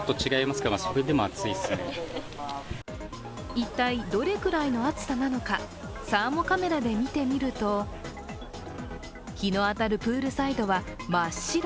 一体どれくらいの暑さなのかサーモカメラで見てみると日の当たるプールサイドは真っ白。